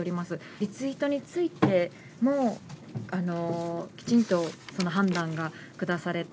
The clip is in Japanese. リツイートについても、きちんと判断が下された。